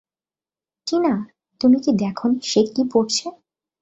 টিনা, তুমি কি দেখোনি সে কি পড়ছে?